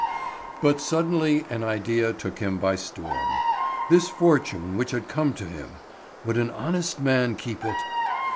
But suddenly an idea took him by storm. This fortune which had come to him. Would an honest man keep it?